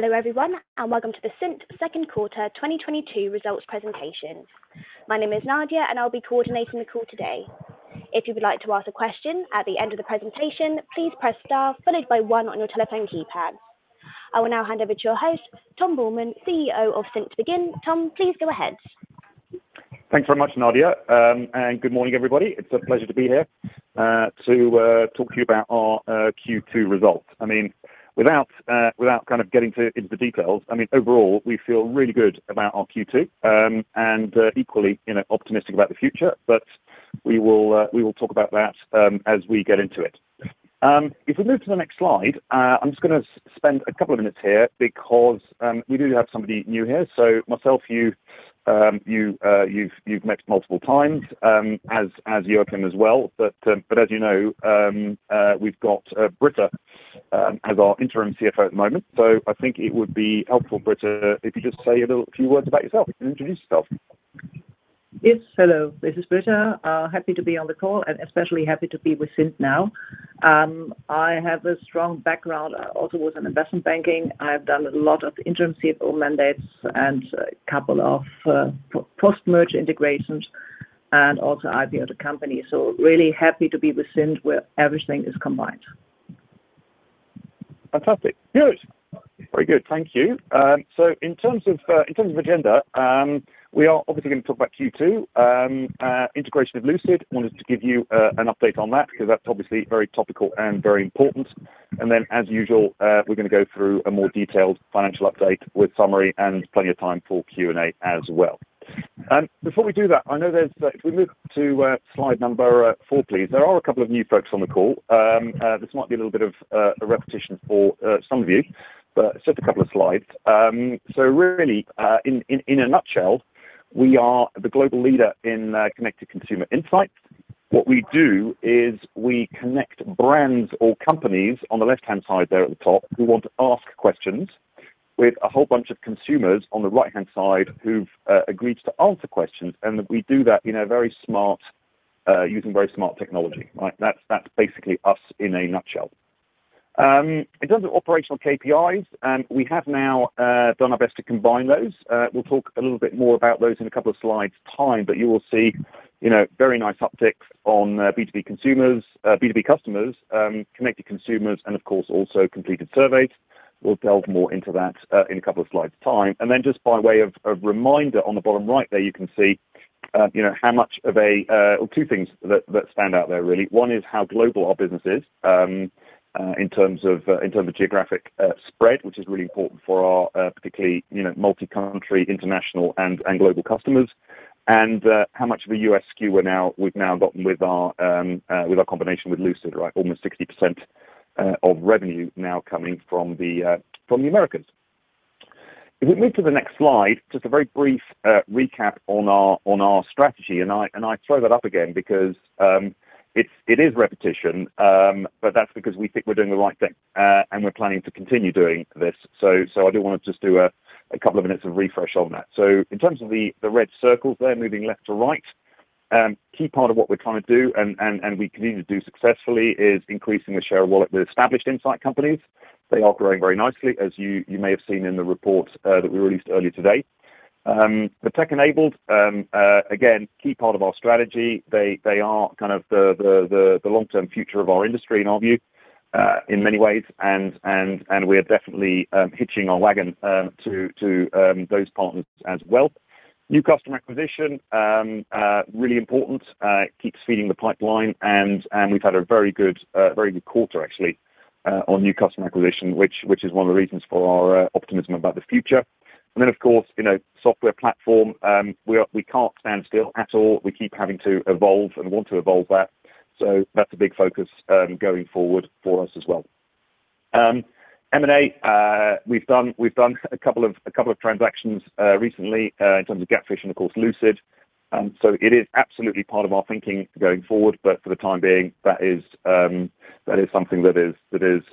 Hello everyone, and welcome to the Cint second quarter 2022 results presentation. My name is Nadia, and I'll be coordinating the call today. If you would like to ask a question at the end of the presentation, please press Star followed by one on your telephone keypad. I will now hand over to your host, Tom Buehlmann, CEO of Cint to begin. Tom, please go ahead. Thanks very much, Nadia. Good morning, everybody. It's a pleasure to be here to talk to you about our Q2 results. I mean, without kind of getting into the details, I mean, overall, we feel really good about our Q2 and equally, you know, optimistic about the future. We will talk about that as we get into it. If we move to the next slide, I'm just gonna spend a couple of minutes here because we do have somebody new here. Myself, you've met multiple times, as Joakim as well. As you know, we've got Britta as our Interim CFO at the moment. I think it would be helpful, Britta, if you just say a little few words about yourself. You can introduce yourself. Yes, hello. This is Britta. Happy to be on the call, and especially happy to be with Cint now. I have a strong background, also in investment banking. I have done a lot of interim CFO mandates and a couple of post-merger integrations and also an IPO for a company. Really happy to be with Cint, where everything is combined. Fantastic. Good. Very good. Thank you. In terms of agenda, we are obviously gonna talk about Q2, integration of Lucid. Wanted to give you an update on that because that's obviously very topical and very important. As usual, we're gonna go through a more detailed financial update with summary and plenty of time for Q&A as well. Before we do that, I know there's. If we move to slide number 4, please. There are a couple of new folks on the call. This might be a little bit of a repetition for some of you, but just a couple of slides. Really, in a nutshell, we are the global leader in connected consumer insight. What we do is we connect brands or companies on the left-hand side there at the top who want to ask questions with a whole bunch of consumers on the right-hand side who've agreed to answer questions, and we do that in a very smart, using very smart technology, right? That's basically us in a nutshell. In terms of operational KPIs, we have now done our best to combine those. We'll talk a little bit more about those in a couple of slides' time, but you will see, you know, very nice upticks on B2B consumers, B2B customers, connected consumers, and of course, also completed surveys. We'll delve more into that in a couple of slides' time. Then just by way of reminder, on the bottom right there, you can see, you know, how much of a two things that stand out there, really. One is how global our business is, in terms of geographic spread, which is really important for our, particularly, you know, multi-country, international and global customers, and how much of a U.S. skew we've now gotten with our combination with Lucid, right? Almost 60% of revenue now coming from the Americans. If we move to the next slide, just a very brief recap on our strategy. I throw that up again because it is repetition, but that's because we think we're doing the right thing and we're planning to continue doing this. I do wanna just do a couple of minutes of refresh on that. In terms of the red circles there, moving left to right, key part of what we're trying to do and we continue to do successfully is increasing the share of wallet with established insight companies. They are growing very nicely, as you may have seen in the report that we released earlier today. The tech-enabled, again, key part of our strategy. They are kind of the long-term future of our industry, in our view, in many ways, and we are definitely hitching our wagon to those partners as well. New customer acquisition really important, keeps feeding the pipeline, and we've had a very good quarter actually on new customer acquisition, which is one of the reasons for our optimism about the future. Of course, you know, software platform, we can't stand still at all. We keep having to evolve and want to evolve that. That's a big focus going forward for us as well. M&A, we've done a couple of transactions recently, in terms of GapFish and of course, Lucid. It is absolutely part of our thinking going forward. For the time being, that is something that is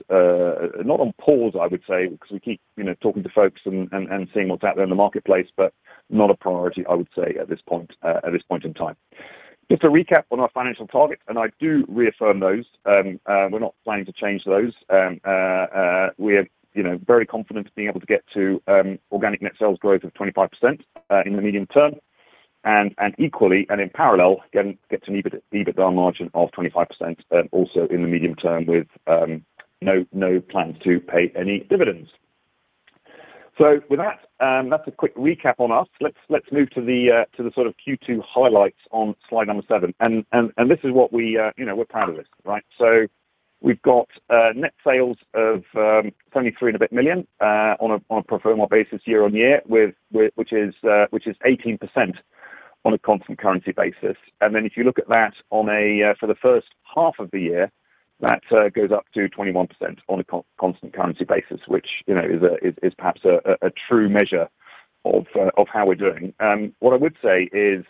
not on pause, I would say, 'cause we keep, you know, talking to folks and seeing what's out there in the marketplace, but not a priority, I would say, at this point in time. Just a recap on our financial targets, and I do reaffirm those. We are, you know, very confident being able to get to organic net sales growth of 25% in the medium term, and equally and in parallel, get to an EBITDA margin of 25% also in the medium term with no plans to pay any dividends. With that's a quick recap on us. Let's move to the sort of Q2 highlights on slide number 7. This is what we, you know, we're proud of this, right? We've got net sales of 23 and a bit million on a pro forma basis year-over-year which is 18% on a constant currency basis. Then if you look at that for the first half of the year, that goes up to 21% on a constant currency basis, which, you know, is perhaps a true measure of how we're doing. What I would say is,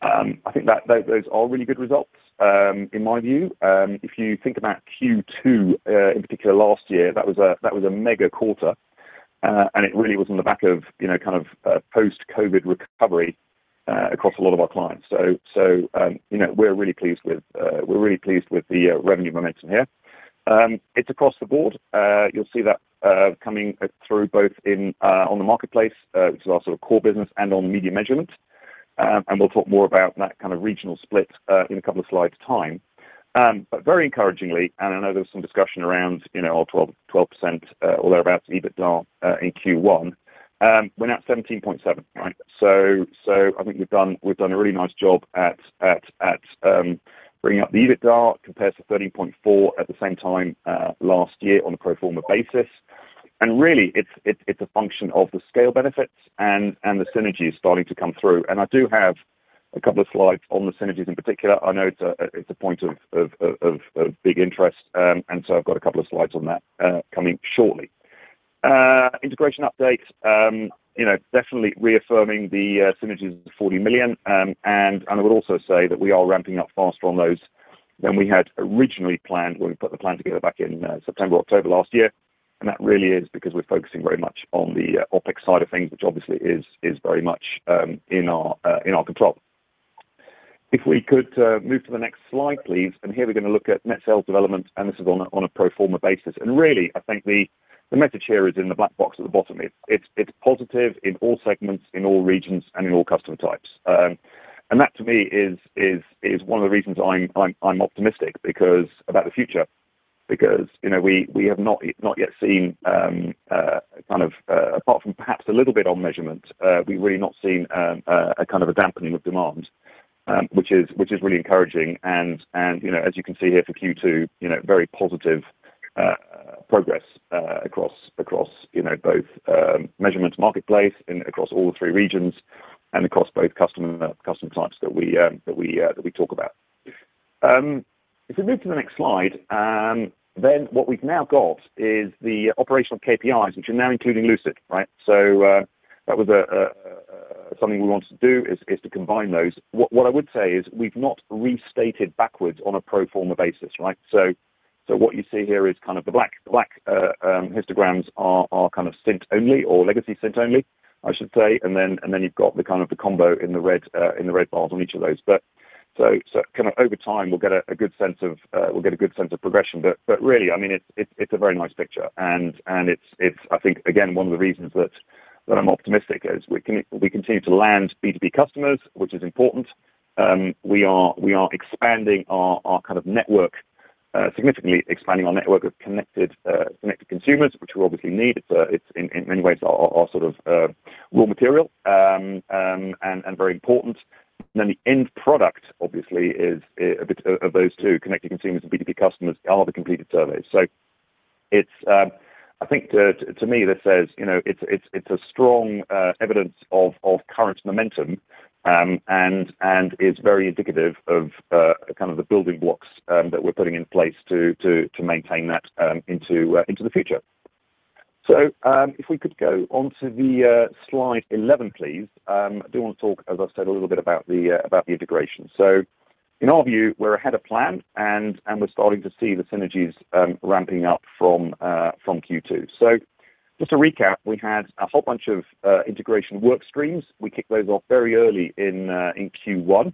I think that those are really good results in my view. If you think about Q2 in particular last year, that was a mega quarter, and it really was on the back of, you know, kind of a post-COVID recovery across a lot of our clients. You know, we're really pleased with the revenue momentum here. It's across the board. You'll see that coming through both in our marketplace, which is our sort of core business and on media measurement. We'll talk more about that kind of regional split in a couple of slides' time. Very encouragingly, I know there was some discussion around, you know, our 12% or thereabouts EBITDA in Q1. We're now at 17.7%, right? I think we've done a really nice job at bringing up the EBITDA compared to 13.4 at the same time last year on a pro forma basis. Really, it's a function of the scale benefits and the synergies starting to come through. I do have a couple of slides on the synergies in particular. I know it's a point of big interest. I've got a couple of slides on that coming shortly. Integration update, you know, definitely reaffirming the synergies of 40 million. I would also say that we are ramping up faster on those than we had originally planned when we put the plan together back in September, October last year, and that really is because we're focusing very much on the OpEx side of things, which obviously is very much in our control. If we could move to the next slide, please, and here we're gonna look at net sales development, and this is on a pro forma basis. Really, I think the message here is in the black box at the bottom. It's positive in all segments, in all regions and in all customer types. That to me is one of the reasons I'm optimistic about the future because, you know, we have not yet seen, kind of, apart from perhaps a little bit on measurement, we've really not seen a kind of a dampening of demand, which is really encouraging. You know, as you can see here for Q2, you know, very positive progress across both measurement marketplace and across all the three regions and across both customer types that we talk about. If we move to the next slide, what we've now got is the operational KPIs, which are now including Lucid, right? That was something we wanted to do is to combine those. What I would say is we've not restated backwards on a pro forma basis, right? What you see here is kind of the black histograms are kind of Cint only or legacy Cint only, I should say. Then you've got the kind of the combo in the red bars on each of those. Kind of over time, we'll get a good sense of progression. Really, I mean, it's a very nice picture and it's, I think again, one of the reasons that I'm optimistic is we continue to land B2B customers, which is important. We are expanding our kind of network significantly, expanding our network of connected consumers, which we obviously need. It's in many ways our sort of raw material and very important. The end product obviously is output of those two connected consumers and B2B customers are the completed surveys. It's I think to me, this says, you know, it's a strong evidence of current momentum and is very indicative of kind of the building blocks that we're putting in place to maintain that into the future. If we could go onto the slide 11, please. I do wanna talk, as I've said a little bit about the integration. In our view, we're ahead of plan and we're starting to see the synergies ramping up from Q2. Just to recap, we had a whole bunch of integration work streams. We kicked those off very early in Q1,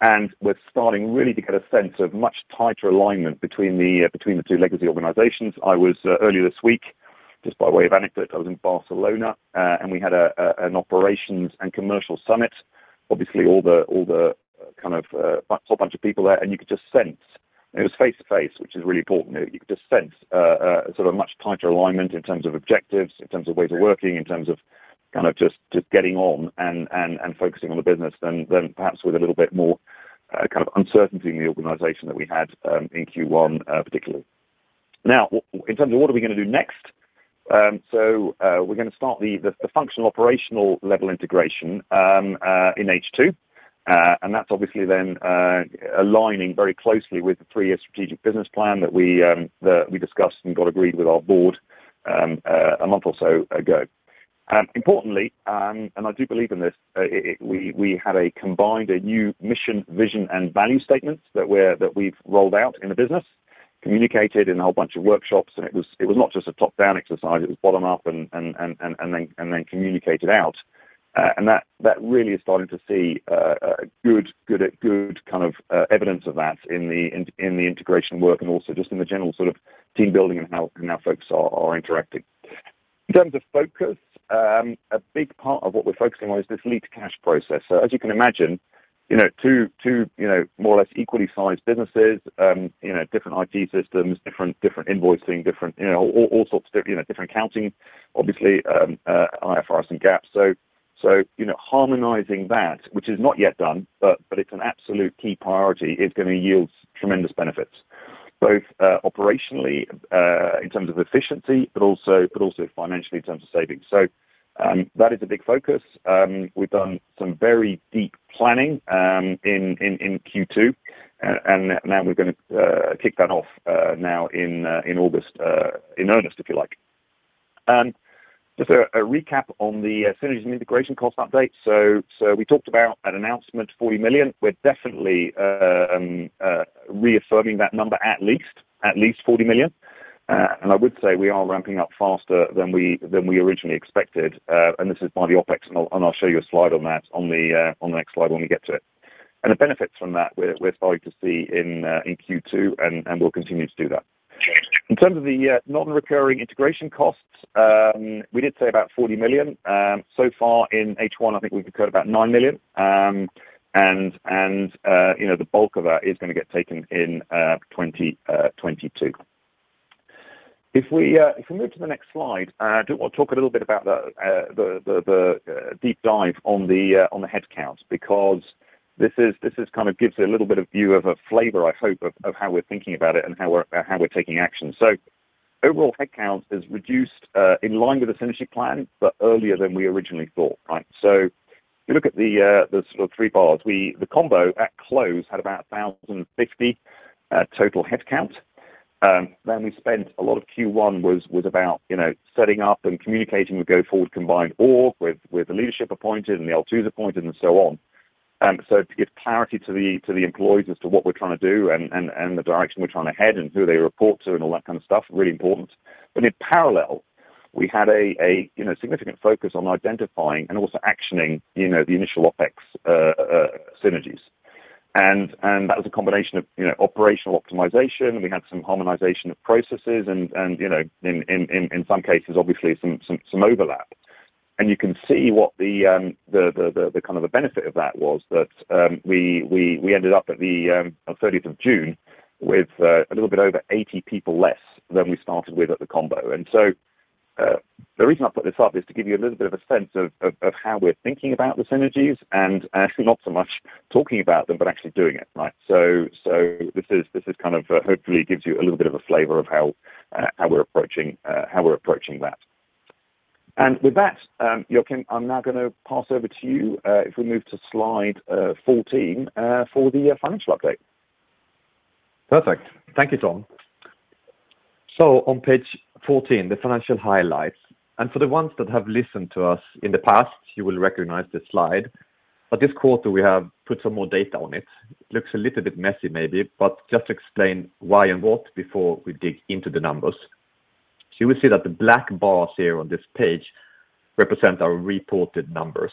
and we're starting really to get a sense of much tighter alignment between the two legacy organizations. I was earlier this week, just by way of anecdote, in Barcelona, and we had an operations and commercial summit, obviously all the kind of top bunch of people there. You could just sense it was face to face, which is really important. You could just sense sort of a much tighter alignment in terms of objectives, in terms of ways of working, in terms of kind of just getting on and focusing on the business than perhaps with a little bit more kind of uncertainty in the organization that we had in Q1 particularly. Now, in terms of what are we gonna do next. We're gonna start the functional operational level integration in H2. That's obviously then aligning very closely with the three-year strategic business plan that we discussed and got agreed with our board a month or so ago. Importantly, I do believe in this. We had combined a new mission, vision and value statement that we've rolled out in the business, communicated in a whole bunch of workshops, and it was not just a top-down exercise, it was bottom up and then communicated out. That really is starting to see a good kind of evidence of that in the integration work and also just in the general sort of team building and how folks are interacting. In terms of focus, a big part of what we're focusing on is this Lead to Cash process. As you can imagine, you know, two more or less equally sized businesses, you know, different IT systems, different invoicing, you know, all sorts of different, you know, different accounting obviously, IFRS and GAAP. You know, harmonizing that which is not yet done, but it's an absolute key priority is gonna yield tremendous benefits both operationally in terms of efficiency, but also financially in terms of savings. That is a big focus. We've done some very deep planning in Q2. Now we're gonna kick that off now in August in earnest, if you like. Just a recap on the synergies and integration cost update. We talked about at announcement 40 million. We're definitely reaffirming that number at least 40 million. I would say we are ramping up faster than we originally expected, and this is by the OpEx, and I'll show you a slide on that on the next slide when we get to it. The benefits from that we're starting to see in Q2 and we'll continue to do that. In terms of the non-recurring integration costs, we did say about 40 million. So far in H1, I think we've incurred about 9 million. You know, the bulk of that is gonna get taken in 2022. If we move to the next slide, I do want to talk a little bit about the deep dive on the headcounts, because this kind of gives you a little bit of view of a flavor, I hope, of how we're thinking about it and how we're taking action. Overall headcount is reduced in line with the synergy plan, but earlier than we originally thought, right? If you look at the sort of three bars, the combo at close had about 1,050 total headcount. Then we spent a lot of Q1 was about, you know, setting up and communicating the go-forward combined org with the leadership appointed and the LTAs appointed and so on. To give clarity to the employees as to what we're trying to do and the direction we're trying to head and who they report to and all that kind of stuff, really important. But in parallel, we had a you know, significant focus on identifying and also actioning, you know, the initial OpEx synergies. That was a combination of, you know, operational optimization, and we had some harmonization of processes and, you know, in some cases, obviously some overlap. You can see what the kind of the benefit of that was that, we ended up on thirtieth of June with a little bit over 80 people less than we started with at the combo. The reason I put this up is to give you a little bit of a sense of how we're thinking about the synergies and actually not so much talking about them, but actually doing it, right? This is kind of hopefully gives you a little bit of a flavor of how we're approaching that. With that, Joakim, I'm now gonna pass over to you, if we move to slide 14 for the financial update. Perfect. Thank you, Tom. On page 14, the financial highlights. For the ones that have listened to us in the past, you will recognize this slide. This quarter we have put some more data on it. Looks a little bit messy maybe, but just explain why and what before we dig into the numbers. You will see that the black bars here on this page represent our reported numbers.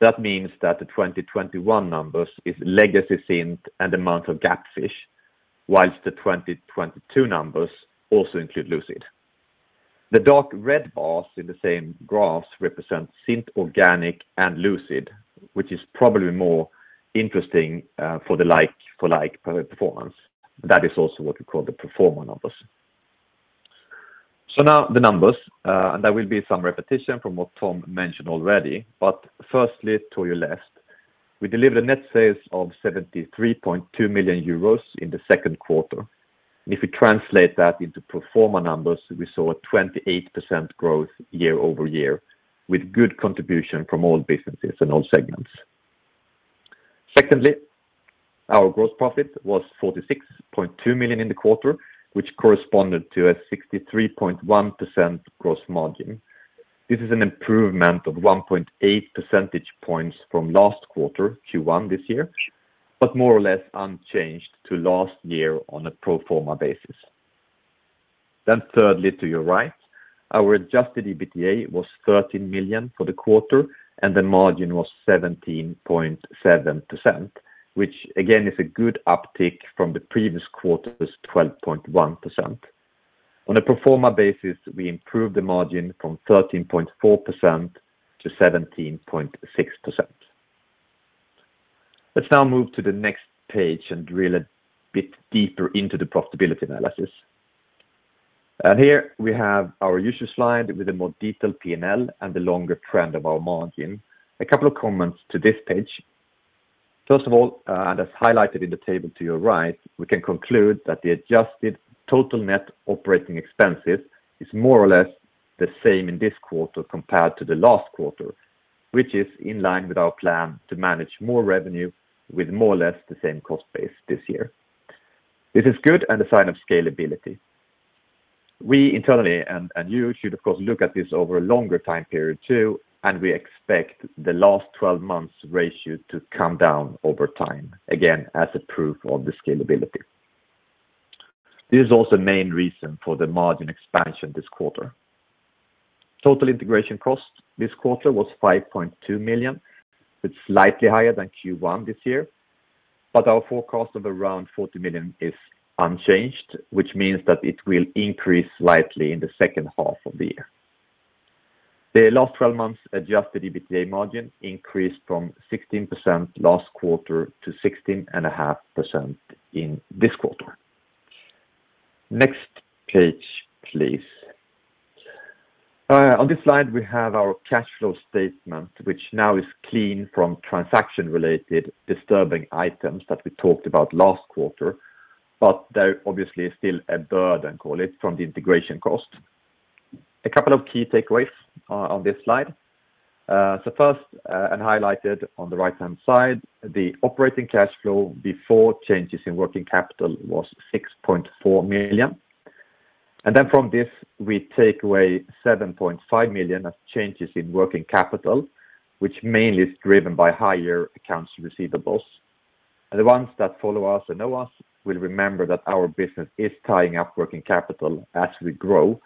That means that the 2021 numbers is legacy Cint and the amount of GapFish, while the 2022 numbers also include Lucid. The dark red bars in the same graphs represent Cint organic and Lucid, which is probably more interesting for the like, for like performance. That is also what we call the pro forma numbers. Now the numbers, and there will be some repetition from what Tom mentioned already. Firstly, to your left, we delivered net sales of 73.2 million euros in the second quarter. If we translate that into pro forma numbers, we saw a 28% growth year-over-year with good contribution from all businesses and all segments. Secondly, our gross profit was 46.2 million in the quarter, which corresponded to a 63.1% gross margin. This is an improvement of 1.8 percentage points from last quarter, Q1 this year, but more or less unchanged to last year on a pro forma basis. Thirdly, to your right, our adjusted EBITDA was 13 million for the quarter, and the margin was 17.7%, which again is a good uptick from the previous quarter's 12.1%. On a pro forma basis, we improved the margin from 13.4% to 17.6%. Let's now move to the next page and drill a bit deeper into the profitability analysis. Here we have our usual slide with a more detailed P&L and the longer trend of our margin. A couple of comments to this page. First of all, as highlighted in the table to your right, we can conclude that the adjusted total net operating expenses is more or less the same in this quarter compared to the last quarter, which is in line with our plan to manage more revenue with more or less the same cost base this year. This is good and a sign of scalability. We internally and you should of course look at this over a longer time period too, and we expect the last twelve months ratio to come down over time, again, as a proof of the scalability. This is also the main reason for the margin expansion this quarter. Total integration cost this quarter was 5.2 million. It's slightly higher than Q1 this year, but our forecast of around 40 million is unchanged, which means that it will increase slightly in the second half of the year. The last twelve months adjusted EBITDA margin increased from 16% last quarter to 16.5% in this quarter. Next page, please. On this slide we have our cash flow statement, which now is clean from transaction-related disturbing items that we talked about last quarter, but there obviously is still a burden, call it, from the integration cost. A couple of key takeaways on this slide. First, highlighted on the right-hand side, the operating cash flow before changes in working capital was 6.4 million. Then from this we take away 7.5 million of changes in working capital, which mainly is driven by higher accounts receivables. The ones that follow us and know us will remember that our business is tying up working capital as we grow.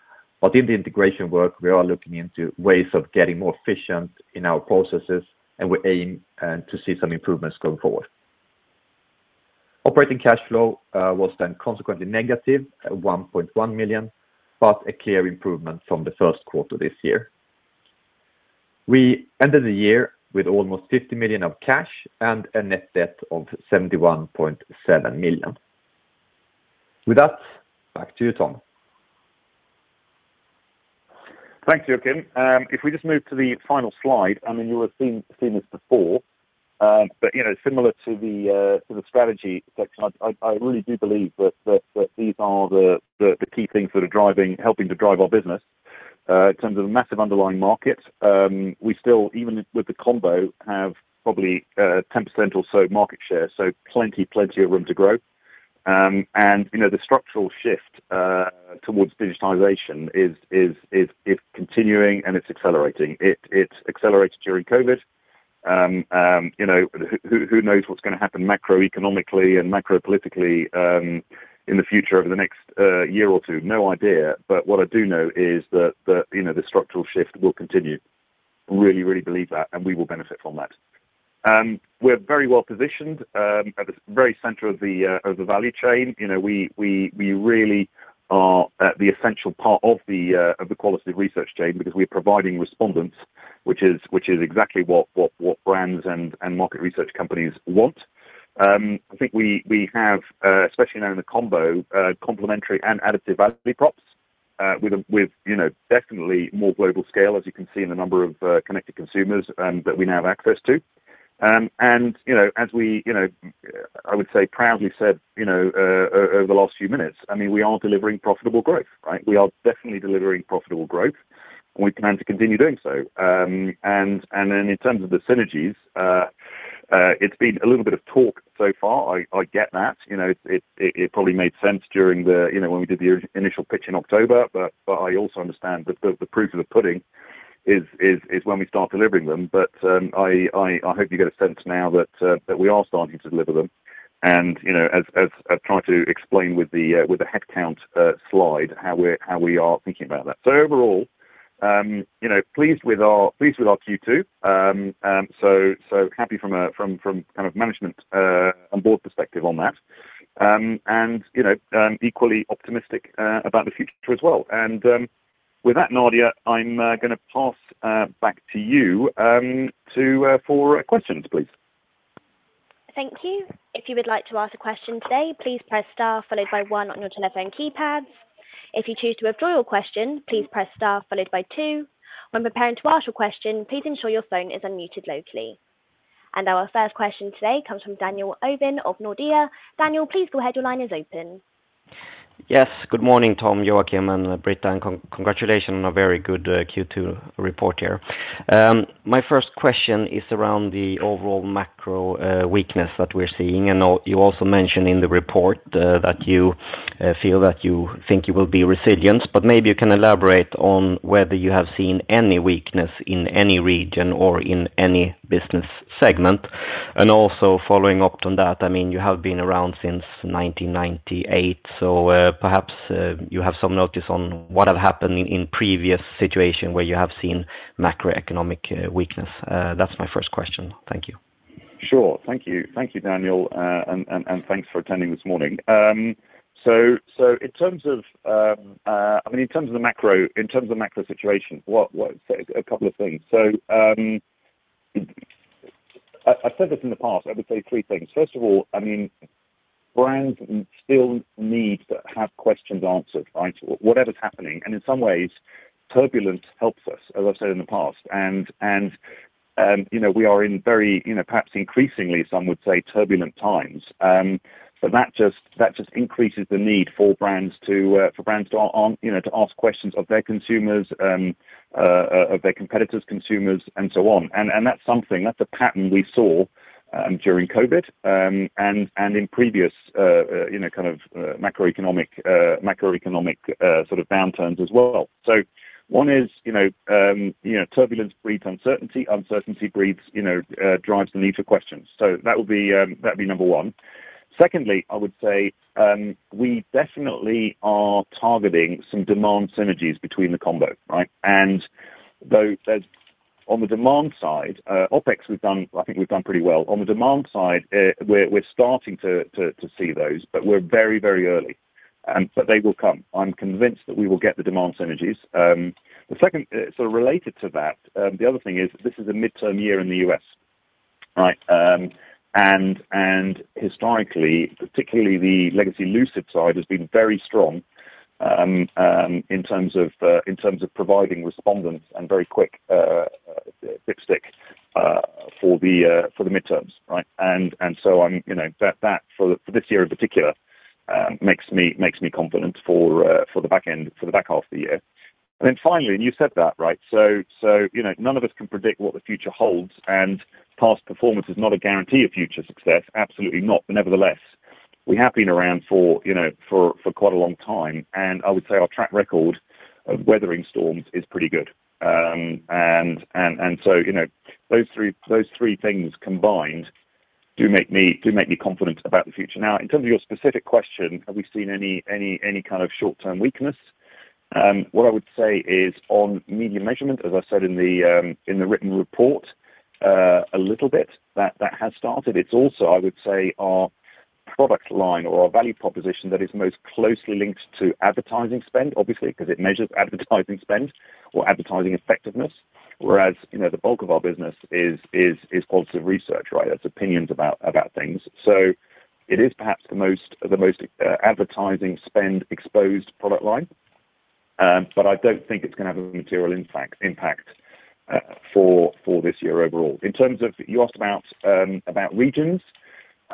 In the integration work, we are looking into ways of getting more efficient in our processes, and we're aiming to see some improvements going forward. Operating cash flow was then consequently negative 1.1 million, but a clear improvement from the first quarter this year. We ended the year with almost 50 million of cash and a net debt of 71.7 million. With that, back to you, Tom. Thank you, Joakim. If we just move to the final slide, I mean, you have seen this before, but you know, similar to the strategy section, I really do believe that these are the key things that are helping to drive our business. In terms of a massive underlying market, we still, even with the combo, have probably 10% or so market share, so plenty of room to grow. You know, the structural shift towards digitalization is continuing and it's accelerating. It accelerated during COVID. You know, who knows what's gonna happen macroeconomically and macropolitically in the future over the next year or two? No idea. What I do know is that the, you know, the structural shift will continue. Really believe that, and we will benefit from that. We're very well positioned at the very center of the value chain. You know, we really are at the essential part of the quality research chain because we're providing respondents, which is exactly what brands and market research companies want. I think we have especially now in the combo complementary and additive value props with, you know, definitely more global scale, as you can see in the number of connected consumers that we now have access to. You know, as we, you know, I would say proudly said, you know, over the last few minutes, I mean, we are delivering profitable growth, right? We are definitely delivering profitable growth, and we plan to continue doing so. In terms of the synergies, it's been a little bit of talk so far. I get that. You know, it probably made sense during the, you know, when we did the initial pitch in October. I also understand that the proof of the pudding is when we start delivering them. I hope you get a sense now that we are starting to deliver them. You know, as I've tried to explain with the headcount slide, how we are thinking about that. Overall, you know, pleased with our Q2. Happy from a kind of management and board perspective on that. You know, equally optimistic about the future as well. With that, Nadia, I'm gonna pass back to you for questions, please. Thank you. If you would like to ask a question today, please press star followed by one on your telephone keypads. If you choose to withdraw your question, please press star followed by two. When preparing to ask your question, please ensure your phone is unmuted locally. Our first question today comes from Daniel Ovin of Nordea. Daniel, please go ahead. Your line is open. Yes. Good morning, Tom, Joakim, and Britta, and congratulations on a very good Q2 report here. My first question is around the overall macro weakness that we're seeing. You also mentioned in the report that you feel that you think you will be resilient, but maybe you can elaborate on whether you have seen any weakness in any region or in any business segment. Also following up on that, I mean, you have been around since 1998, so perhaps you have some notion on what have happened in previous situation where you have seen macroeconomic weakness. That's my first question. Thank you. Sure. Thank you. Thank you, Daniel, and thanks for attending this morning. In terms of the macro situation, a couple of things. I've said this in the past. I would say three things. First of all, I mean, brands still need to have questions answered, right? Whatever's happening. In some ways, turbulence helps us, as I've said in the past. You know, we are in very, you know, perhaps increasingly, some would say turbulent times. That just increases the need for brands to ask questions of their consumers, of their competitors' consumers, and so on. That's something, that's a pattern we saw during COVID, and in previous you know kind of macroeconomic sort of downturns as well. One is, you know, turbulence breeds uncertainty. Uncertainty breeds, you know, drives the need for questions. That'd be number one. Secondly, I would say, we definitely are targeting some demand synergies between the combo, right? On the demand side, OpEx, we've done, I think we've done pretty well. On the demand side, we're starting to see those, but we're very, very early. But they will come. I'm convinced that we will get the demand synergies. The second sort of related to that, the other thing is this is a midterm year in the US. Right? Historically, particularly the Legacy Lucid side has been very strong in terms of providing respondents and very quick dipstick for the midterms, right? That for this year in particular makes me confident for the back half of the year. Then finally, you said that, right? None of us can predict what the future holds, and past performance is not a guarantee of future success. Absolutely not. Nevertheless, we have been around for quite a long time, and I would say our track record of weathering storms is pretty good. You know, those three things combined do make me confident about the future. Now, in terms of your specific question, have we seen any kind of short-term weakness? What I would say is on media measurement, as I said in the written report, a little bit that has started. It's also, I would say, our product line or our value proposition that is most closely linked to advertising spend, obviously, 'cause it measures advertising spend or advertising effectiveness. Whereas, you know, the bulk of our business is qualitative research, right? It's opinions about things. It is perhaps the most advertising spend exposed product line. But I don't think it's gonna have a material impact for this year overall. In terms of... You asked about regions.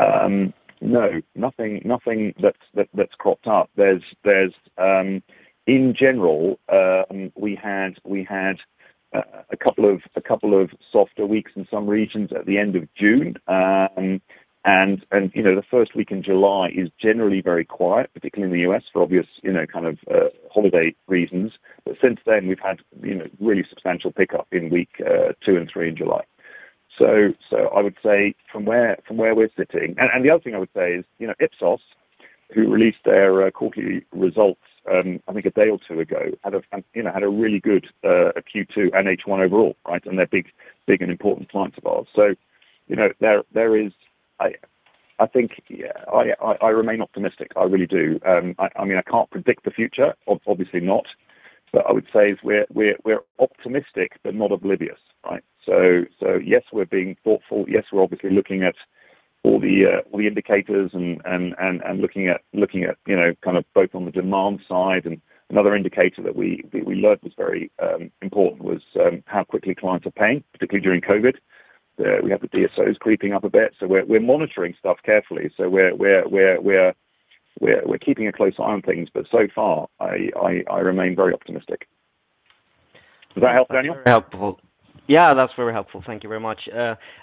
No. Nothing that's cropped up. In general, we had a couple of softer weeks in some regions at the end of June. You know, the first week in July is generally very quiet, particularly in the U.S. for obvious, you know, kind of holiday reasons. Since then, we've had, you know, really substantial pickup in week two and three in July. I would say from where we're sitting. The other thing I would say is, you know, Ipsos, who released their quarterly results, I think a day or two ago, had, you know, a really good Q2 and H1 overall, right? They're big and important clients of ours. You know, there is. I think yeah, I remain optimistic. I really do. I mean, I can't predict the future obviously not, but I would say is we're optimistic, but not oblivious, right? Yes, we're being thoughtful, yes, we're obviously looking at all the indicators and looking at, you know, kind of both on the demand side. Another indicator that we learned was very important was how quickly clients are paying, particularly during COVID. We have the DSOs creeping up a bit, so we're monitoring stuff carefully. We're keeping a close eye on things, but so far, I remain very optimistic. Does that help, Daniel? Very helpful. Yeah, that's very helpful. Thank you very much.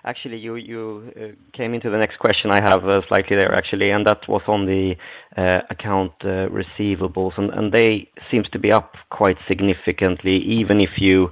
Actually, you came into the next question I have, slightly there, actually, and that was on the accounts receivable. They seems to be up quite significantly, even if you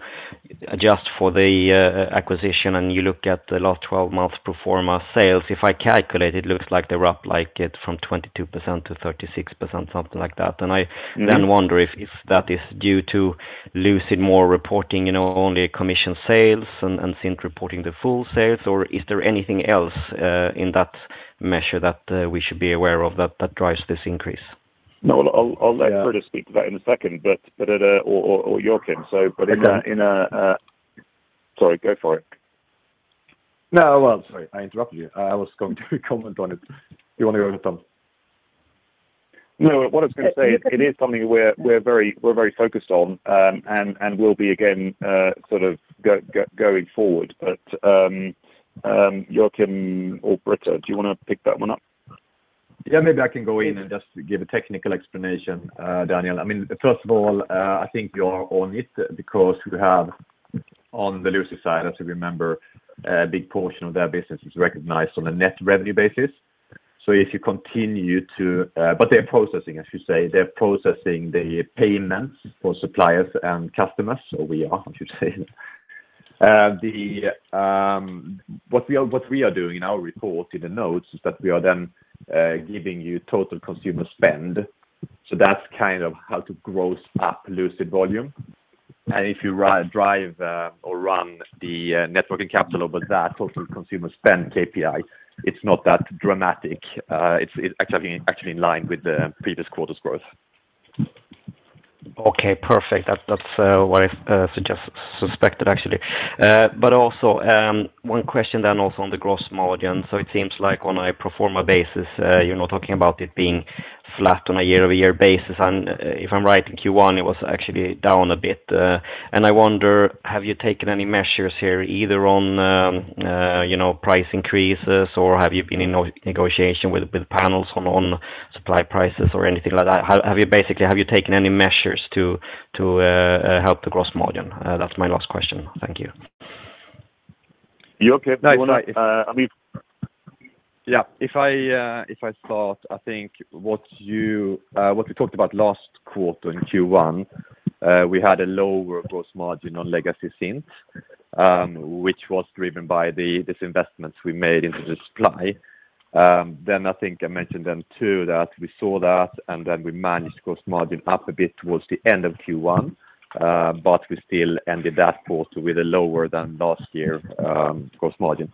adjust for the acquisition and you look at the last 12 months pro forma sales. If I calculate, it looks like they're up like it from 22%-36%, something like that. Mm-hmm. Wonder if that is due to Lucid more reporting, you know, only commission sales and Cint reporting the full sales, or is there anything else in that measure that we should be aware of that drives this increase? No. I'll let Britta speak to that in a second, or Joakim. Okay. Sorry, go for it. No. Well, sorry, I interrupted you. I was going to comment on it. You want to go, Tom? No. What I was gonna say, it is something we're very focused on, and we'll be again, sort of going forward. Joakim or Britta, do you wanna pick that one up? Yeah, maybe I can go in and just give a technical explanation, Daniel. I mean, first of all, I think you're on it because we have on the Lucid side, as you remember, a big portion of their business is recognized on a net revenue basis. But they're processing, as you say, the payments for suppliers and customers, so we are, I should say. What we are doing in our report in the notes is that we are then giving you total consumer spend. That's kind of how to gross up Lucid volume. If you re-run or run the working capital over that total consumer spend KPI, it's not that dramatic. It's actually in line with the previous quarter's growth. Okay, perfect. That's what I suspected, actually. But also, one question then also on the gross margin. It seems like on a pro forma basis, you're not talking about it being flat on a year-over-year basis. If I'm right, in Q1, it was actually down a bit, and I wonder, have you taken any measures here either on, you know, price increases, or have you been in negotiation with panels on supply prices or anything like that? Have you basically taken any measures to help the gross margin? That's my last question. Thank you. Joakim, do you wanna- If I start, I think what we talked about last quarter in Q1, we had a lower gross margin on legacy Cint, which was driven by these investments we made into the supply. Then I think I mentioned then too, that we saw that, and then we managed gross margin up a bit towards the end of Q1, but we still ended that quarter with a lower than last year, gross margin.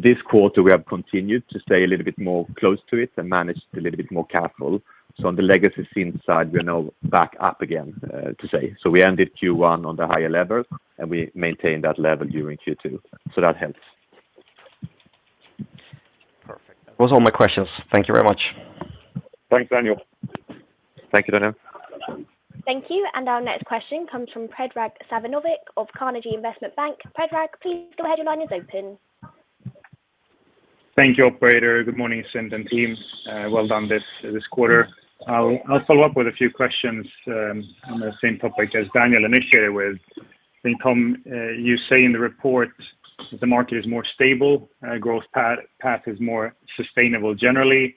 This quarter, we have continued to stay a little bit more close to it and managed a little bit more careful. On the legacy Cint side, we are now back up again, to say. We ended Q1 on the higher level, and we maintained that level during Q2, that helps. Perfect. Those are all my questions. Thank you very much. Thanks, Daniel. Thank you, Daniel. Thank you. Our next question comes from Predrag Savanovic of Carnegie Investment Bank. Predrag, please go ahead. Your line is open. Thank you, operator. Good morning, Cint team. Well done this quarter. I'll follow up with a few questions on the same topic as Daniel initiated with. Tom, you say in the report the market is more stable and growth path is more sustainable generally.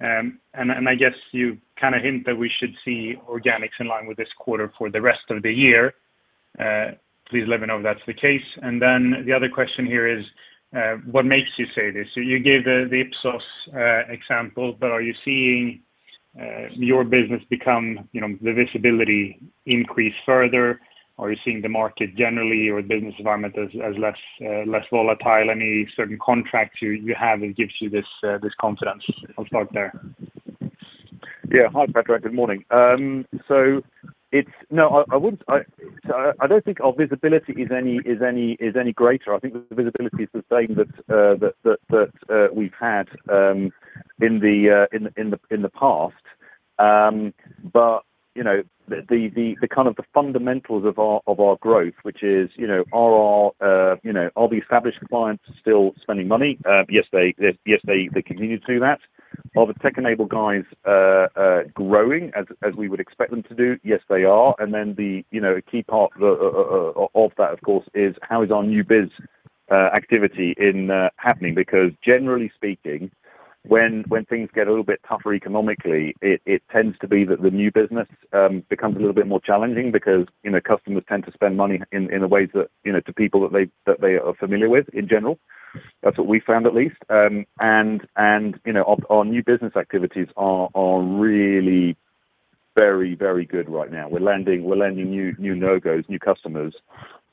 And I guess you kinda hint that we should see organics in line with this quarter for the rest of the year. Please let me know if that's the case. The other question here is what makes you say this. You gave the Ipsos example, but are you seeing your business become, you know, the visibility increase further. Are you seeing the market generally or business environment as less volatile. Any certain contracts you have that gives you this confidence. I'll start there. Yeah. Hi, Predrag. Good morning. I don't think our visibility is any greater. I think the visibility is the same that we've had in the past. You know, the kind of the fundamentals of our growth which is, you know, are our established clients still spending money? Yes, they continue to do that. Are the tech-enabled guys growing as we would expect them to do? Yes, they are. You know, key part of that, of course, is how our new biz activity is happening? Because generally speaking, when things get a little bit tougher economically, it tends to be that the new business becomes a little bit more challenging because, you know, customers tend to spend money in the ways that, you know, to people that they are familiar with in general. That's what we found at least. You know, our new business activities are really very good right now. We're lending new logos, new customers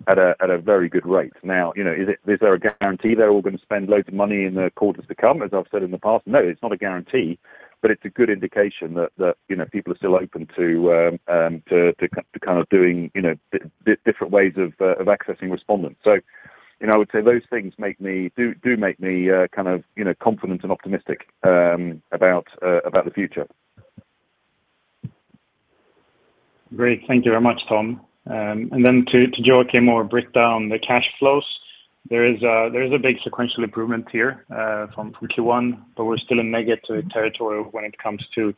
at a very good rate. Now, you know, is there a guarantee they're all gonna spend loads of money in the quarters to come? As I've said in the past, no, it's not a guarantee, but it's a good indication that you know, people are still open to kind of doing, you know, different ways of accessing respondents. You know, I would say those things do make me kind of, you know, confident and optimistic about the future. Great. Thank you very much, Tom. To Joakim to break down the cash flows, there is a big sequential improvement here from Q1, but we're still in negative territory when it comes to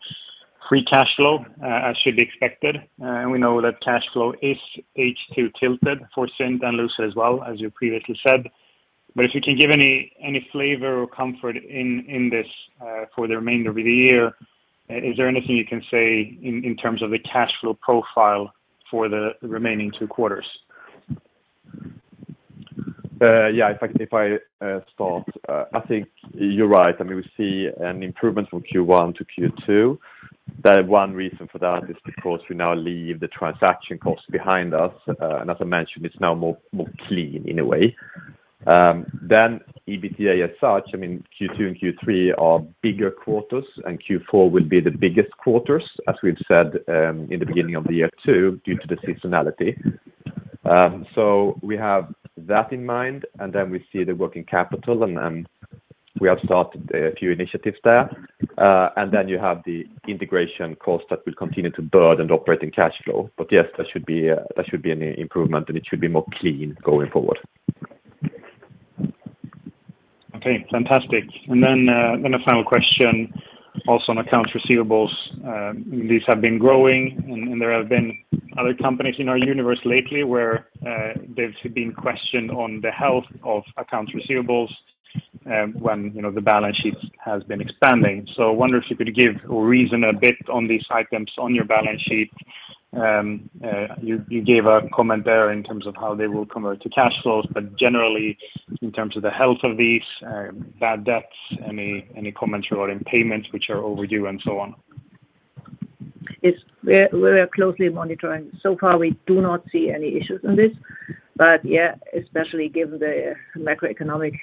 free cash flow, as should be expected. We know that cash flow is H2 tilted for Cint and Lucid as well, as you previously said. If you can give any flavor or comfort in this for the remainder of the year, is there anything you can say in terms of the cash flow profile for the remaining two quarters? Yeah, I think you're right. I mean, we see an improvement from Q1 to Q2. The one reason for that is because we now leave the transaction costs behind us. As I mentioned, it's now more clean in a way. Then EBITDA as such, I mean, Q2 and Q3 are bigger quarters, and Q4 will be the biggest quarters, as we've said, in the beginning of the year too, due to the seasonality. We have that in mind, and then we see the working capital and we have started a few initiatives there. Then you have the integration costs that will continue to burden operating cash flow. Yes, there should be an improvement, and it should be more clean going forward. Okay, fantastic. A final question also on accounts receivables. These have been growing and there have been other companies in our universe lately where they've been questioned on the health of accounts receivables, when, you know, the balance sheet has been expanding. I wonder if you could give or reason a bit on these items on your balance sheet. You gave a comment there in terms of how they will convert to cash flows, but generally in terms of the health of these, bad debts, any comments regarding payments which are overdue and so on? We're closely monitoring. So far, we do not see any issues on this. Yeah, especially given the macroeconomic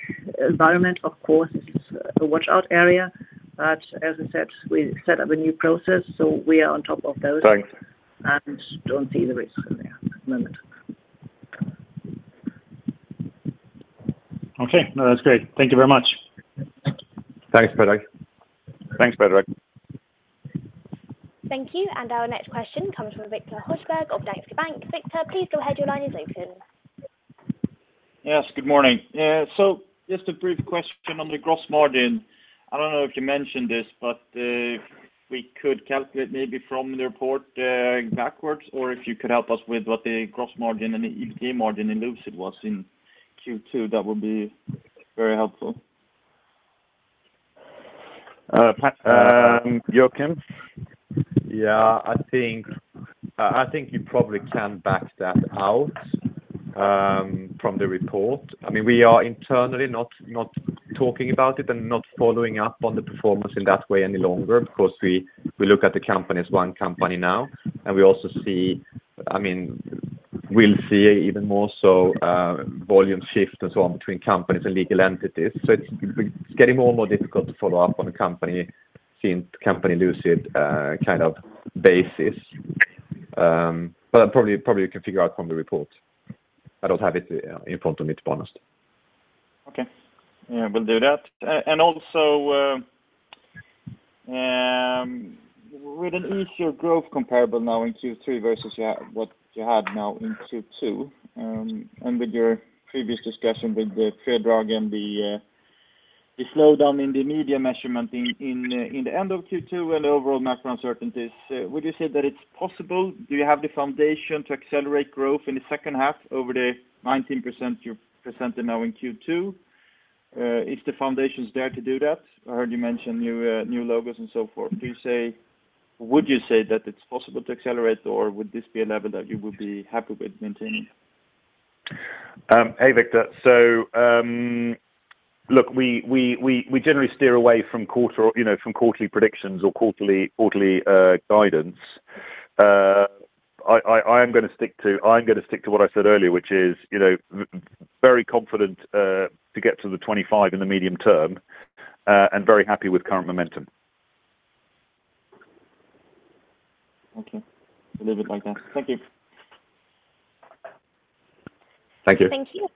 environment, of course, this is a watch-out area. As I said, we set up a new process, so we are on top of those. Thanks. Don't see the risk there at the moment. Okay. No, that's great. Thank you very much. Thank you. Thanks, Predrag. Thanks, Predrag Savanovic. Thank you. Our next question comes from Viktor Husberg of DNB Bank. Viktor, please go ahead. Your line is open. Yes, good morning. Just a brief question on the gross margin. I don't know if you mentioned this, but, we could calculate maybe from the report, backwards, or if you could help us with what the gross margin and the EBT margin in Lucid was in Q2, that would be very helpful. Joakim? Yeah. I think you probably can back that out from the report. I mean, we are internally not talking about it and not following up on the performance in that way any longer because we look at the company as one company now, and we also see I mean, we'll see even more so, volume shift and so on between companies and legal entities. It's getting more and more difficult to follow up on the company since company Lucid kind of basis. But probably you can figure out from the report. I don't have it in front of me, to be honest. Okay. Yeah, we'll do that. Also, with an easier growth comparable now in Q3 versus what you had now in Q2, and with your previous discussion with Predrag and the slowdown in the media measurement in the end of Q2 and overall macro uncertainties, would you say that it's possible? Do you have the foundation to accelerate growth in the second half over the 19% you presented now in Q2? Is the foundations there to do that? I heard you mention new logos and so forth. Would you say that it's possible to accelerate, or would this be a level that you would be happy with maintaining? Hey, Viktor. Look, we generally steer away from quarterly predictions or quarterly guidance. I'm gonna stick to what I said earlier, which is, you know, very confident to get to the 25 in the medium term, and very happy with current momentum. Okay. We'll leave it like that. Thank you. Thank you. Thank you.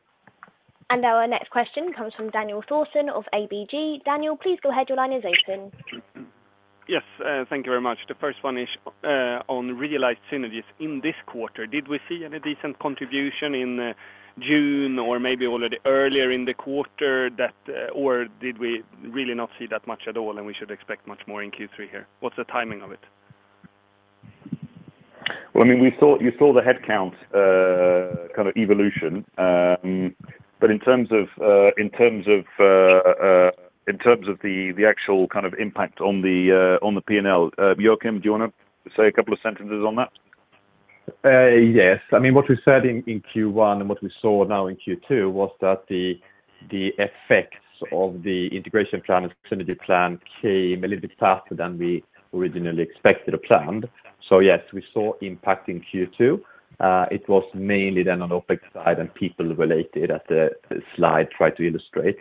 Our next question comes from Daniel Thorsson of ABG. Daniel, please go ahead. Your line is open. Yes, thank you very much. The first one is on realized synergies in this quarter. Did we see any decent contribution in June or maybe already earlier in the quarter that or did we really not see that much at all, and we should expect much more in Q3 here? What's the timing of it? Well, I mean, you saw the headcount kind of evolution. In terms of the actual kind of impact on the P&L, Joakim, do you wanna say a couple of sentences on that? Yes. I mean, what we said in Q1 and what we saw now in Q2 was that the effects of the integration plan and synergy plan came a little bit faster than we originally expected or planned. Yes, we saw impact in Q2. It was mainly then on OpEx side and people related as the slide tried to illustrate.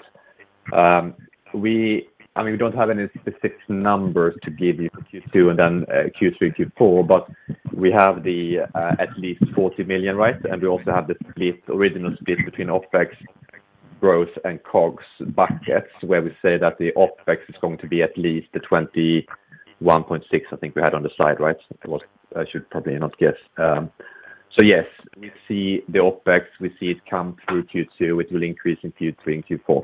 I mean, we don't have any specific numbers to give you for Q2 and then Q3, Q4, but we have the at least 40 million, right? We also have the split, original split between OpEx growth and COGS buckets, where we say that the OpEx is going to be at least the 21.6, I think we had on the side, right? I should probably not guess. Yes, we see the OpEx, we see it come through Q2. It will increase in Q3 and Q4.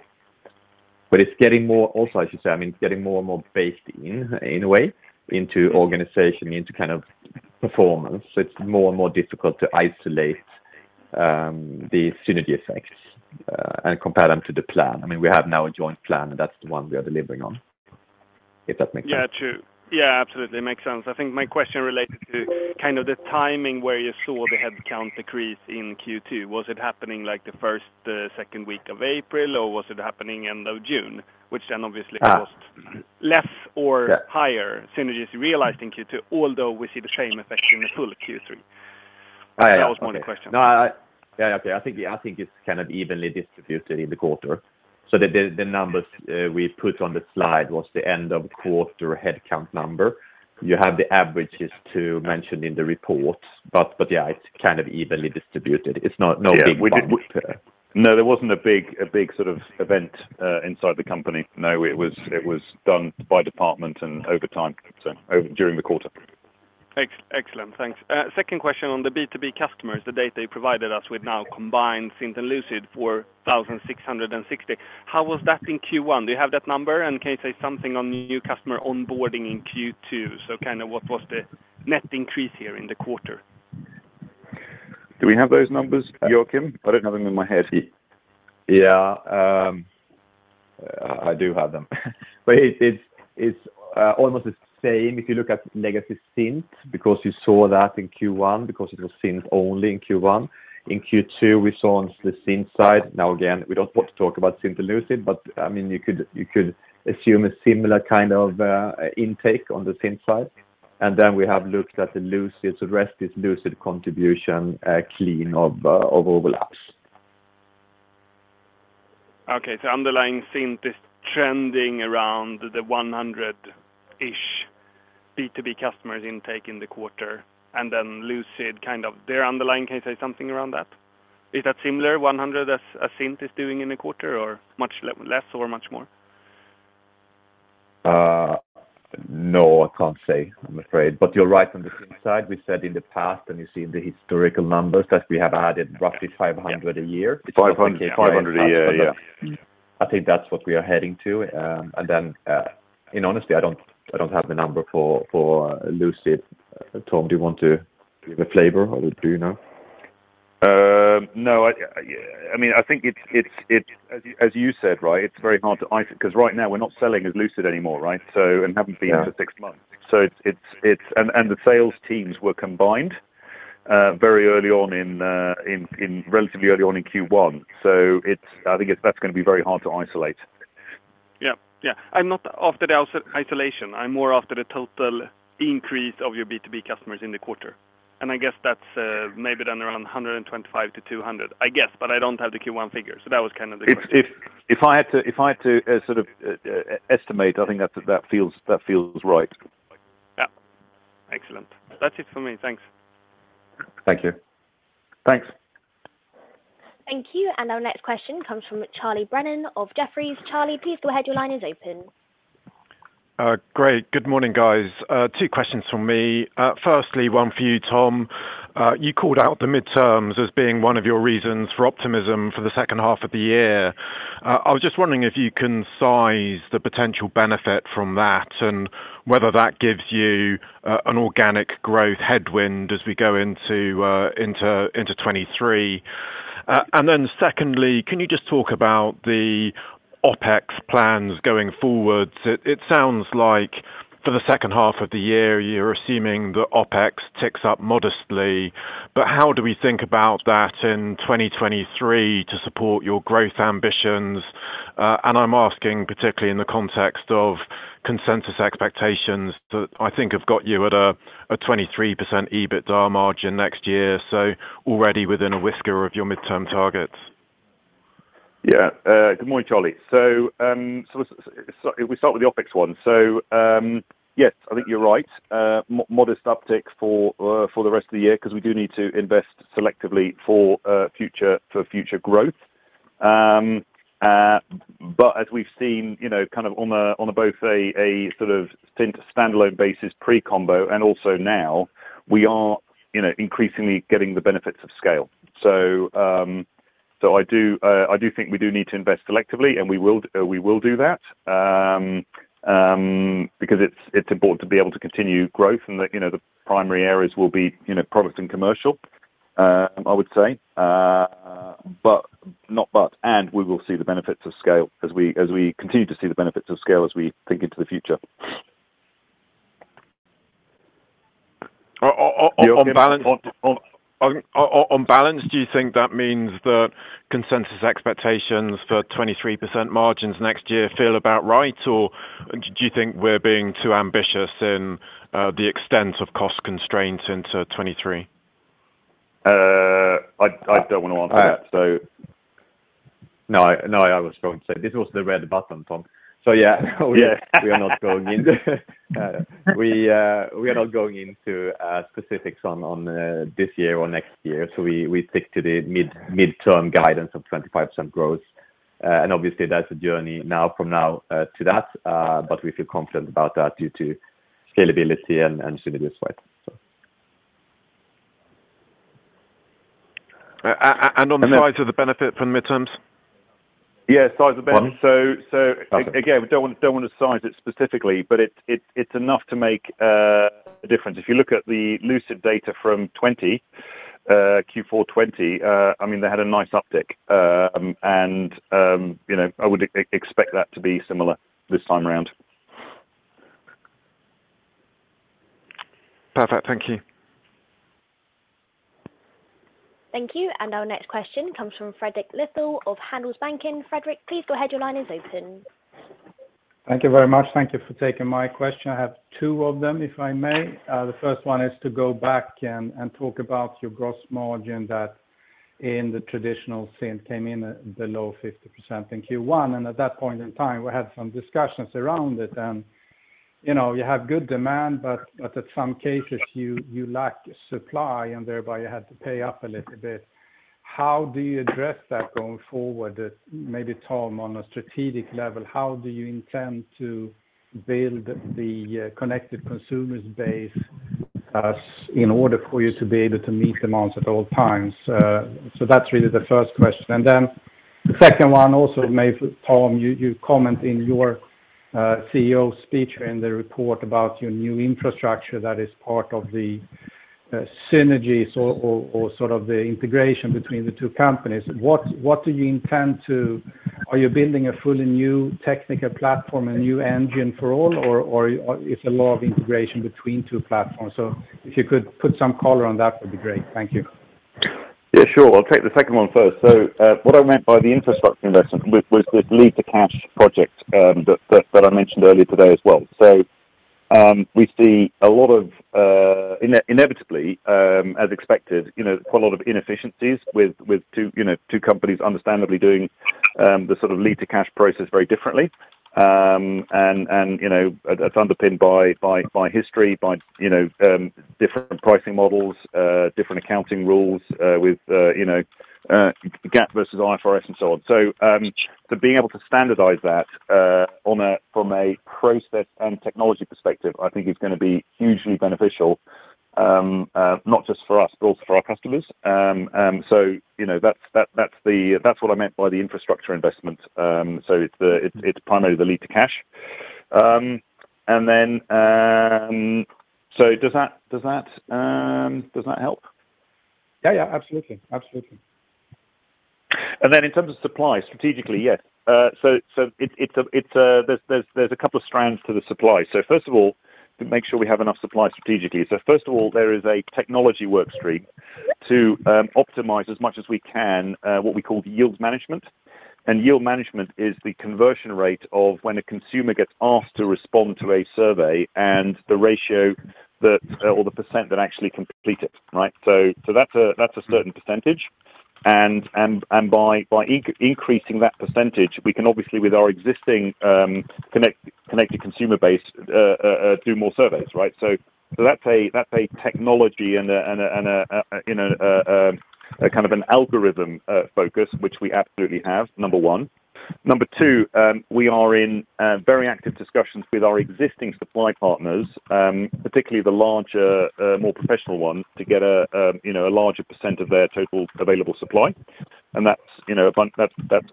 Also, I should say, I mean, it's getting more and more baked in a way, into organization, into kind of performance. It's more and more difficult to isolate the synergy effects and compare them to the plan. I mean, we have now a joint plan, and that's the one we are delivering on, if that makes sense. Yeah, true. Yeah, absolutely makes sense. I think my question related to kind of the timing where you saw the headcount decrease in Q2. Was it happening, like, the first, second week of April, or was it happening end of June? Which then obviously. Ah. -cost less or- Yeah. Higher synergies realized in Q2, although we see the same effect in the full Q3. Yeah. Okay. That was my question. No. Yeah, okay. I think it's kind of evenly distributed in the quarter. The numbers we put on the slide was the end of quarter headcount number. You have the averages to mention in the report. Yeah, it's kind of evenly distributed. It's not. No big bump. Yeah. Uh. No, there wasn't a big sort of event inside the company. No, it was done by department and over time, so during the quarter. Excellent. Thanks. Second question on the B2B customers, the data you provided us with now combined Cint and Lucid, 4,600. How was that in Q1? Do you have that number? And can you say something on new customer onboarding in Q2? Kind of what was the net increase here in the quarter? Do we have those numbers, Joakim? I don't have them in my head. Yeah. I do have them. It's almost the same if you look at legacy Cint because you saw that in Q1 because it was Cint only in Q1. In Q2, we saw on the Cint side. Now again, we don't want to talk about Cint and Lucid, but I mean, you could assume a similar kind of intake on the Cint side. Then we have looked at the Lucid. The rest is Lucid contribution clean of overlaps. Okay. Underlying Cint is trending around the 100-ish B2B customers intake in the quarter, and then Lucid kind of. Their underlying, can you say something around that? Is that similar, 100 as Cint is doing in a quarter or much less or much more? No, I can't say, I'm afraid. You're right on the spend side. We said in the past, and you see in the historical numbers, that we have added roughly 500 a year. 500 a year, yeah. I think that's what we are heading to. Honestly, I don't have the number for Lucid. Tom, do you want to give a flavor or do you know? No, I mean, I think it's as you said, right, it's very hard 'cause right now we're not selling as Lucid anymore, right? Haven't been for six months. Yeah. It's the sales teams were combined relatively early on in Q1. I think that's gonna be very hard to isolate. Yeah. I'm not after the isolation. I'm more after the total increase of your B2B customers in the quarter. I guess that's maybe then around 125-200, I guess, but I don't have the Q1 figures. That was kind of the question. If I had to sort of estimate, I think that feels right. Yeah. Excellent. That's it for me. Thanks. Thank you. Thanks. Thank you. Our next question comes from Charles Brennan of Jefferies. Charlie, please go ahead. Your line is open. Great. Good morning, guys. Two questions from me. Firstly, one for you, Tom. You called out the midterms as being one of your reasons for optimism for the second half of the year. I was just wondering if you can size the potential benefit from that and whether that gives you an organic growth headwind as we go into 2023. And then secondly, can you just talk about the OpEx plans going forward? It sounds like for the second half of the year, you're assuming that OpEx ticks up modestly, but how do we think about that in 2023 to support your growth ambitions? And I'm asking particularly in the context of consensus expectations that I think have got you at a 23% EBITDA margin next year. Already within a whisker of your midterm targets. Yeah. Good morning, Charlie. If we start with the OpEx one. Yes, I think you're right. Modest uptick for the rest of the year because we do need to invest selectively for future growth. But as we've seen, you know, kind of on a sort of standalone basis pre-combo and also now, we are, you know, increasingly getting the benefits of scale. I do think we do need to invest selectively, and we will do that because it's important to be able to continue growth and the, you know, the primary areas will be, you know, product and commercial, I would say. We will see the benefits of scale as we continue to see the benefits of scale as we think into the future. On balance. Jorgensen? On balance, do you think that means that consensus expectations for 23% margins next year feel about right? Or do you think we're being too ambitious in the extent of cost constraints into 2023? I don't wanna answer that. No, I was going to say this was the red button, Tom. Yeah. Yes. We are not going into specifics on this year or next year, so we stick to the midterm guidance of 25% growth. Obviously that's a journey from now to that, but we feel confident about that due to scalability and synergy this way. On the size of the benefit from midterms? Yeah. Size of benefit. Pardon? So, so- Okay Again, we don't want to size it specifically, but it's enough to make a difference. If you look at the Lucid data from 2020, Q4 2020, I mean, they had a nice uptick. You know, I would expect that to be similar this time around. Perfect. Thank you. Thank you. Our next question comes from Fredrik Lithell of Handelsbanken. Fredrik, please go ahead. Your line is open. Thank you very much. Thank you for taking my question. I have two of them, if I may. The first one is to go back and talk about your gross margin that in the traditional sense came in at below 50% in Q1. At that point in time, we had some discussions around it. You know, you have good demand, but at some cases you lack supply and thereby you had to pay up a little bit. How do you address that going forward? Maybe Tom, on a strategic level, how do you intend to build the connected consumers base in order for you to be able to meet demands at all times? That's really the first question. The second one also may, Tom, you comment in your CEO speech in the report about your new infrastructure that is part of the synergies or sort of the integration between the two companies. What do you intend to? Are you building a fully new technical platform, a new engine for all, or it's a lot of integration between two platforms? If you could put some color on that'd be great. Thank you. Yeah, sure. I'll take the second one first. What I meant by the infrastructure investment with Lead to Cash project, that I mentioned earlier today as well. We see a lot of inevitably, as expected, you know, quite a lot of inefficiencies with two companies understandably doing the sort of Lead to Cash process very differently. You know, that's underpinned by history, by you know, different pricing models, different accounting rules, with you know, GAAP versus IFRS and so on. Being able to standardize that, from a process and technology perspective, I think is gonna be hugely beneficial, not just for us, but also for our customers. You know, that's what I meant by the infrastructure investment. It's part of the Lead to Cash. Does that help? Yeah. Absolutely. In terms of supply, strategically, yes. There is a couple of strands to the supply. First of all, to make sure we have enough supply strategically. First of all, there is a technology work stream to optimize as much as we can what we call yield management. Yield management is the conversion rate of when a consumer gets asked to respond to a survey and the ratio or the percent that actually complete it, right? That is a certain percentage. By increasing that percentage, we can obviously with our existing connected consumer base do more surveys, right? That's a technology and a kind of an algorithm focus, which we absolutely have, number one. Number two, we are in very active discussions with our existing supply partners, particularly the larger, more professional ones, to get a larger percent of their total available supply. That's, you know,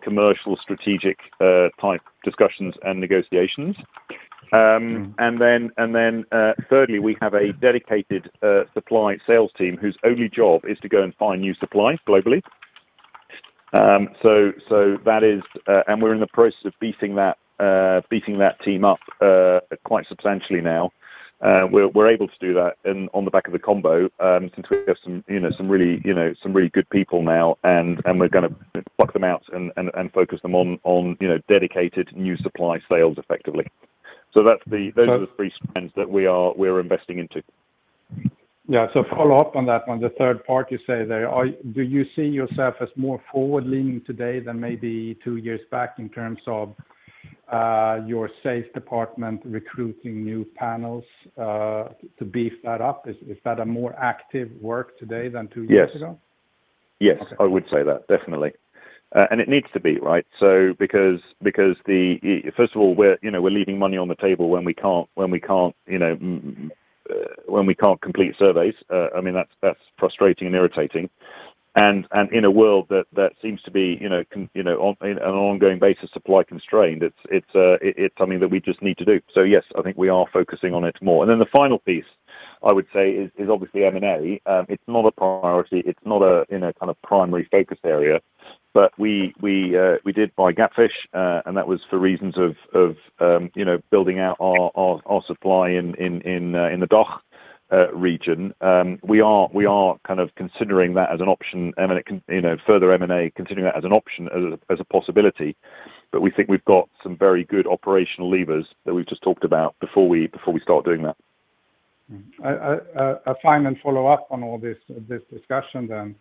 commercial, strategic type discussions and negotiations. Thirdly, we have a dedicated supply sales team whose only job is to go and find new supplies globally. We're in the process of beefing that team up quite substantially now. We're able to do that on the back of the combo, since we have some really good people now, you know, and we're gonna back them up and focus them on, you know, dedicated new supply sales effectively. That's the So- Those are the three strands that we're investing into. Yeah. Follow up on that one, the third part you say there. Do you see yourself as more forward-leaning today than maybe two years back in terms of, your sales department recruiting new panels, to beef that up? Is that a more active work today than two years ago? Yes. Yes. Okay. I would say that, definitely. It needs to be, right? Because, first of all, we're, you know, we're leaving money on the table when we can't complete surveys. I mean, that's frustrating and irritating. In a world that seems to be, you know, on an ongoing basis, supply constrained, it's something that we just need to do. Yes, I think we are focusing on it more. Then the final piece I would say is obviously M&A. It's not a priority in a kind of primary focus area, but we did buy GapFish, and that was for reasons of you know, building out our supply in the DACH region. We are kind of considering that as an option. M&A. You know, further M&A, considering that as an option, as a possibility. But we think we've got some very good operational levers that we've just talked about before we start doing that. Final follow-up on all this discussion then.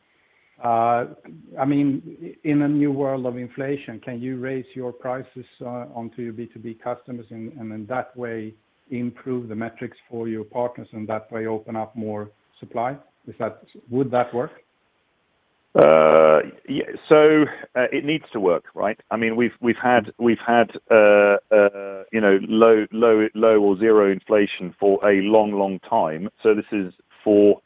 I mean, in a new world of inflation, can you raise your prices onto your B2B customers and in that way improve the metrics for your partners and that way open up more supply? Is that? Would that work? Yeah. It needs to work, right? I mean, we've had you know, low or zero inflation for a long time. This is for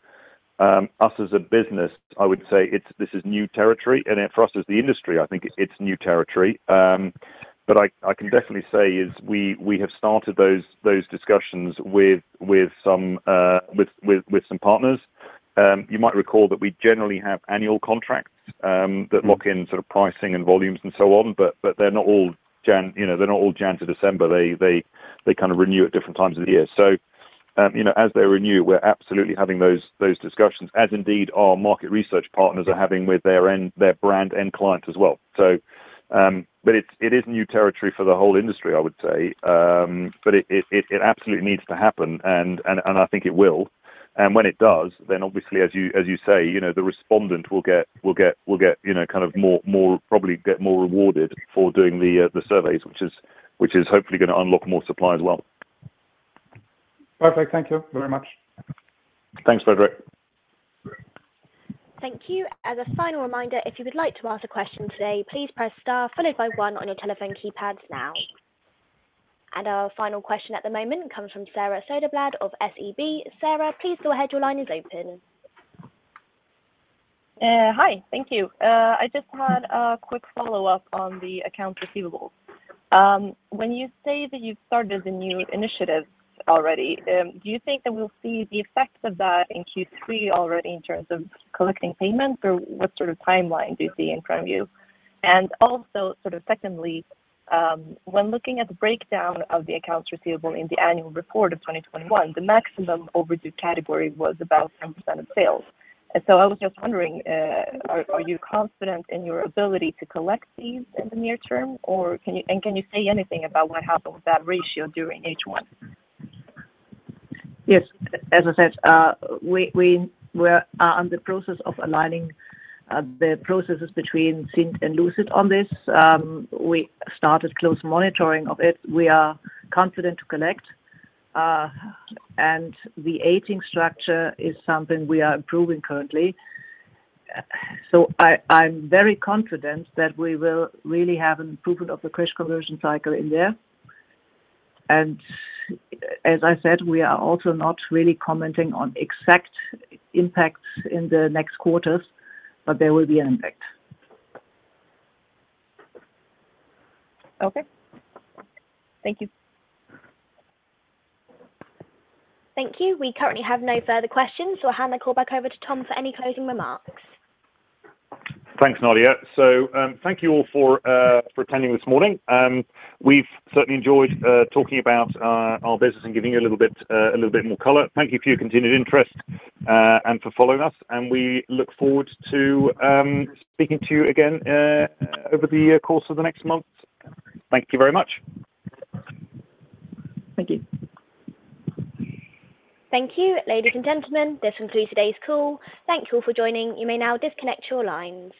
us as a business. I would say this is new territory, and then for us as the industry, I think it's new territory. But I can definitely say we have started those discussions with some partners. You might recall that we generally have annual contracts that lock in sort of pricing and volumes and so on. They're not all Jan to December, you know. They kind of renew at different times of the year. You know, as they renew, we're absolutely having those discussions, as indeed our market research partners are having with their end, their brand end clients as well. It is new territory for the whole industry, I would say. It absolutely needs to happen, and I think it will. When it does, then obviously as you say, you know, the respondent will get, you know, kind of more, probably get more rewarded for doing the surveys, which is hopefully gonna unlock more supply as well. Perfect. Thank you very much. Thanks, Fredrik. Thank you. As a final reminder, if you would like to ask a question today, please press star followed by one on your telephone keypads now. Our final question at the moment comes from Sara Söderblom of SEB. Sara, please go ahead. Your line is open. Hi. Thank you. I just had a quick follow-up on the accounts receivable. When you say that you've started the new initiatives already, do you think that we'll see the effects of that in Q3 already in terms of collecting payments? Or what sort of timeline do you see in front of you? Also, sort of secondly, when looking at the breakdown of the accounts receivable in the annual report of 2021, the maximum overdue category was about 10% of sales. So I was just wondering, are you confident in your ability to collect these in the near term? Or can you say anything about what happened with that ratio during H1? Yes. As I said, we are in the process of aligning the processes between Cint and Lucid on this. We started close monitoring of it. We are confident to collect. The aging structure is something we are improving currently. I'm very confident that we will really have improvement of the cash conversion cycle in there. As I said, we are also not really commenting on exact impacts in the next quarters, but there will be an impact. Okay. Thank you. Thank you. We currently have no further questions, so I'll hand the call back over to Tom for any closing remarks. Thanks, Nadia. Thank you all for attending this morning. We've certainly enjoyed talking about our business and giving you a little bit more color. Thank you for your continued interest and for following us, and we look forward to speaking to you again over the course of the next month. Thank you very much. Thank you. Thank you, ladies and gentlemen. This concludes today's call. Thank you all for joining. You may now disconnect your lines.